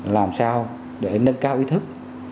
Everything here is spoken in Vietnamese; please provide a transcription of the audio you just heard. làm sao để nâng cao ý thức